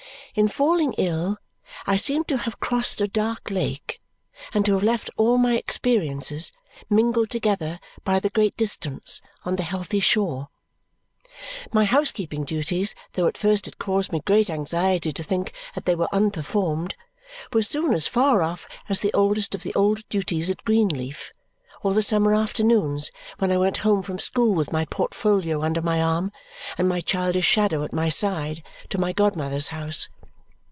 In falling ill, I seemed to have crossed a dark lake and to have left all my experiences, mingled together by the great distance, on the healthy shore. My housekeeping duties, though at first it caused me great anxiety to think that they were unperformed, were soon as far off as the oldest of the old duties at Greenleaf or the summer afternoons when I went home from school with my portfolio under my arm, and my childish shadow at my side, to my godmother's house.